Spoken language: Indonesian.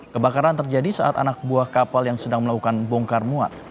kebakaran terjadi saat anak buah kapal yang sedang melakukan bongkar muat